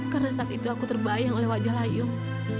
karena saat itu aku terbayang oleh wajah layung